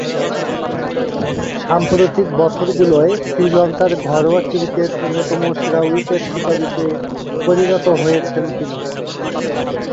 সাম্প্রতিক বছরগুলোয় শ্রীলঙ্কার ঘরোয়া ক্রিকেটে অন্যতম সেরা উইকেট শিকারীতে পরিণত হয়েছেন তিনি।